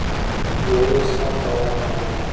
لمرونه صاف او هوا ملایمه وه.